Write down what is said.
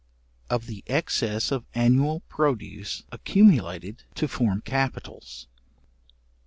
Of the excess of annual produce accumulated to form capitals.